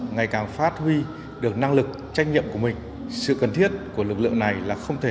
ngày càng phát huy được năng lực trách nhiệm của mình sự cần thiết của lực lượng này là không thể